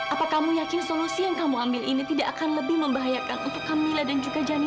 apa kamu yakin solusi yang kamu ambil ini tidak akan lebih membahayakan untuk kamula dan juga jani